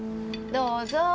どうぞ。